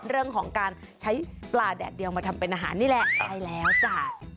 เรื่องของการใช้ปลาแดดเดียวมาทำเป็นอาหารนี่แหละใช่แล้วจ้ะ